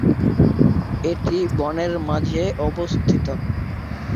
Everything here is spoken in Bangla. এটি বনের মাঝে অবস্থিত।